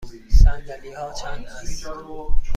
صندلی ها چند است؟